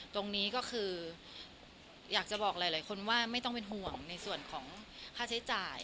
ตรงนี้ก็คืออยากจะบอกหลายคนว่าไม่ต้องเป็นห่วงในส่วนของค่าใช้จ่าย